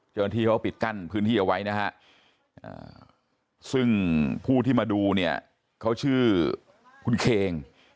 เจ้าหน้าที่เขาปิดกั้นพื้นที่เอาไว้นะฮะซึ่งผู้ที่มาดูเนี่ยเขาชื่อคุณเคง